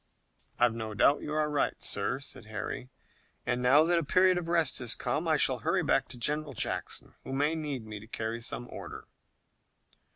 "I've no doubt you're right, sir," said Harry, "and now that a period of rest has come, I shall hurry back to General Jackson, who may need me to carry some order."